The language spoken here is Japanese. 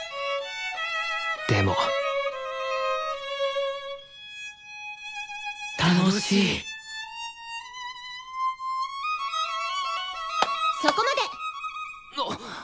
でも楽しいそこまで！